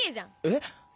えっ？